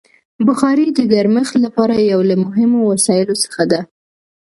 بخاري د ګرمښت لپاره یو له مهمو وسایلو څخه ده.